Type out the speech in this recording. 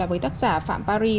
với tác giả phạm paris